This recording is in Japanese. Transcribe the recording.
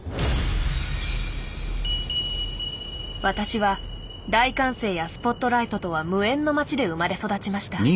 私は大歓声やスポットライトとは無縁の町で生まれ育ちました。